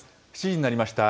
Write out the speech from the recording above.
７時になりました。